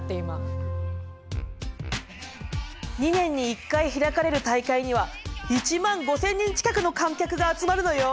２年に１回開かれる大会には１万５，０００人近くの観客が集まるのよ！